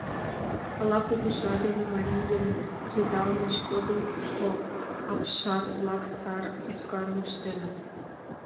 Ала кугыжа дене марийын кредалмыж годым тушто апшат-влак сар ӱзгарым ыштеныт?..